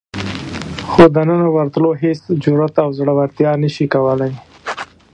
خو دننه ورتلو هېڅ جرئت او زړورتیا نشي کولای.